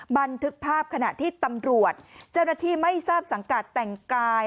บันทึกภาพขณะที่ตำรวจเจ้าหน้าที่ไม่ทราบสังกัดแต่งกาย